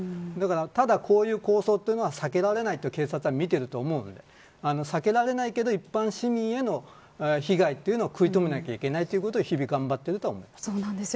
ただ、こういう抗争は避けられないと警察は見ていると思うので避けられないけど一般市民への被害というのを食い止めなければいけないということを日々頑張っていると思います。